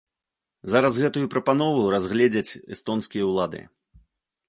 Зараз гэтую прапанову разгледзяць эстонскія ўлады.